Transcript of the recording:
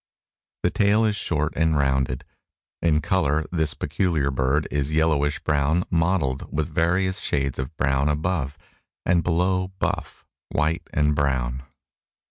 The tail is short and rounded. In color this peculiar bird is yellowish brown mottled with various shades of brown above, and below buff, white and brown.